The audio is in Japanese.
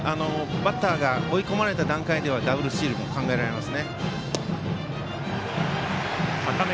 バッターが追い込まれた段階ではダブルスチールも考えられます。